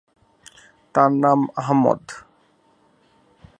তাঁর নাম আহমদ।